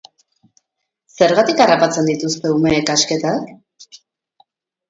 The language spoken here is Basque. Zergatik harrapatzen dituzte umeek kasketak?